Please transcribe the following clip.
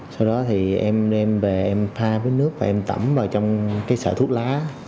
sau đó thì em đem về em pha với nước và em tẩm vào trong cái sợi thuốc lá